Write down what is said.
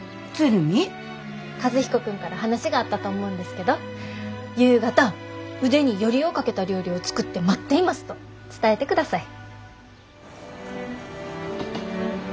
和彦君から話があったと思うんですけど夕方腕によりをかけた料理を作って待っていますと伝えてください。